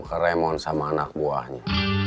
keremon sama anak buahnya